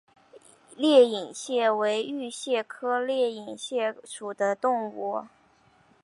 裂隐蟹为玉蟹科裂隐蟹属的动物。